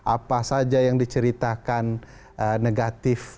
apa saja yang diceritakan negatif dari kubur